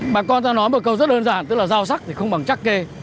bà con ta nói một câu rất đơn giản tức là giao sắc thì không bằng chắc kê